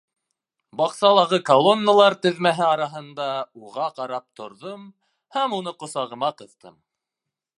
Баҡсалағы колонналар теҙмәһе араһында уға ҡарап торҙом һәм уны ҡосағыма ҡыҫтым.